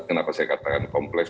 kenapa saya katakan kompleks